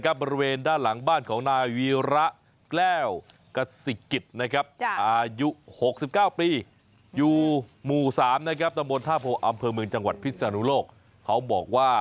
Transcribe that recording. ความกว้าง๒๒นิ้ว